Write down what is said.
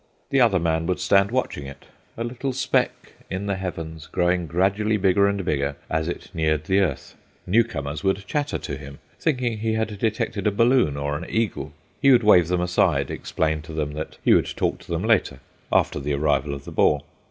The other man would stand watching it, a little speck in the Heavens, growing gradually bigger and bigger as it neared the earth. Newcomers would chatter to him, thinking he had detected a balloon or an eagle. He would wave them aside, explain to them that he would talk to them later, after the arrival of the ball.